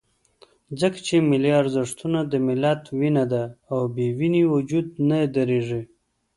ځکه چې ملي ارزښتونه د ملت وینه ده، او بې وینې وجود نه درېږي.